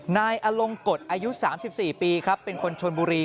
นายอลงกฎอายุ๓๔ปีครับเป็นคนชนบุรี